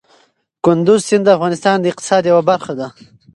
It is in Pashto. کندز سیند د افغانستان د اقتصاد یوه برخه ده.